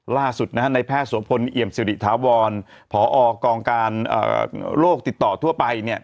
ล่าสุดนะฮะในแพทย์สวพลเอี่ยมสิริถาวรพอกองการโรคติดต่อทั่วไปเนี่ย